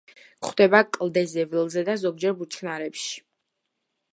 გვხვდება კლდეზე, ველზე და ზოგჯერ ბუჩქნარებში.